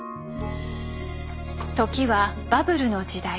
時はバブルの時代。